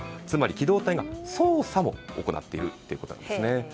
つまり機動隊が捜査を行っているということです。